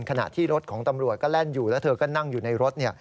ขณะที่รถของตำรวจก็แล่นอยู่แล้วเธอก็นั่งอยู่ในรถ